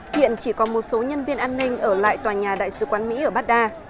hiện chỉ có một số nhân viên an ninh ở lại tòa nhà đại sứ quán mỹ ở baghdad